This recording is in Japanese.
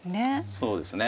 そうですね。